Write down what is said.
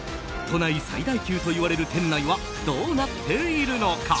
都内最大級といわれる店内はどうなっているのか？